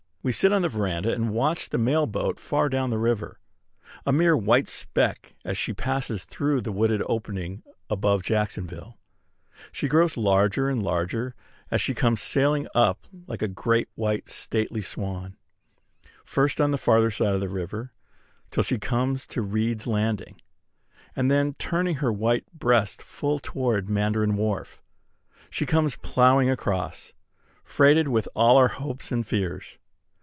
We sit on the veranda, and watch the mail boat far down the river, a mere white speck as she passes through the wooded opening above Jacksonville. She grows larger and larger as she comes sailing up like a great white stately swan, first on the farther side of the river till she comes to Reed's Landing; and then, turning her white breast full toward Mandarin Wharf, she comes ploughing across, freighted with all our hopes and fears.